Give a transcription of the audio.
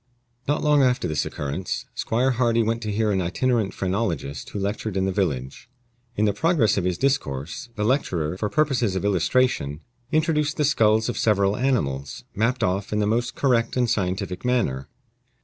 Not long after this occurrence, Squire Hardy went to hear an itinerant phrenologist who lectured in the village. In the progress of his discourse, the lecturer, for purposes of illustration, introduced the skulls of several animals, mapped off in the most correct and scientific manner.